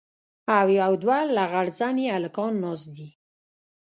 او يو دوه لغړ زني هلکان ناست دي.